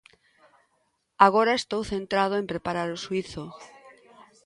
Agora estou centrado en preparar o xuízo.